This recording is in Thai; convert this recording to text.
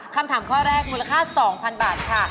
คำถามข้อแรกมูลค่า๒๐๐๐บาทค่ะ